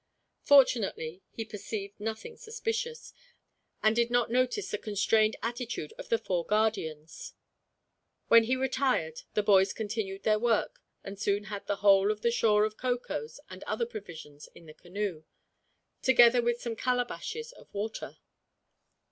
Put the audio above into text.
Fortunately he perceived nothing suspicious, and did not notice the constrained attitude of the four guardians. When he retired the boys continued their work, and soon had the whole of the store of cocoas and other provisions in the canoe, together with some calabashes of water.